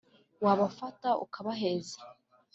wabafata ukabaheza